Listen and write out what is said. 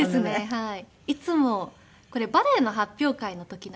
はい。